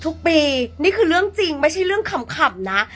ทุกปีนี่คือเรื่องจริงไม่ใช่เรื่องขำนะ